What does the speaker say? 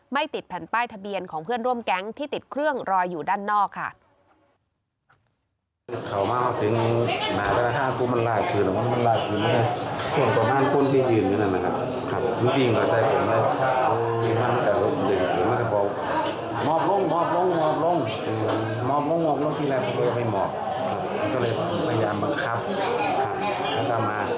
ติดแผ่นป้ายทะเบียนของเพื่อนร่วมแก๊งที่ติดเครื่องรออยู่ด้านนอกค่ะ